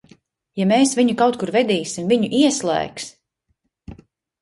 Ja mēs viņu kaut kur vedīsim, viņu ieslēgs!